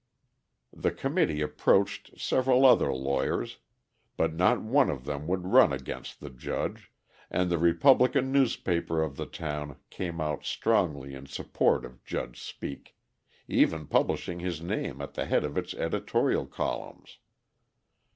The committee approached several other lawyers, but not one of them would run against the judge, and the Republican newspaper of the town came out strongly in support of Judge Speake, even publishing his name at the head of its editorial columns.